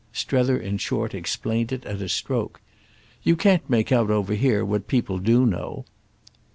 Strether in short explained it at a stroke. "You can't make out over here what people do know."